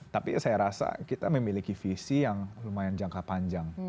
tapi saya rasa kita memiliki visi yang lumayan jangka panjang